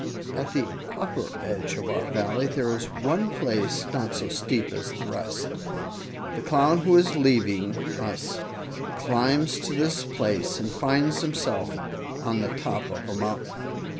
"At the upper edge of our Valley there is one place not so steep as the rest. The Clown who is leaving us climbs to this place and finds himself on the top of a mountain.